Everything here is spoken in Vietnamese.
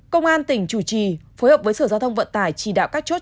công an tỉnh chủ trì phối hợp với sở giao thông vận tải chỉ đạo các chốt